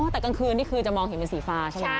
แต่กลางคืนนี่คือจะมองเห็นเป็นสีฟ้าใช่ไหม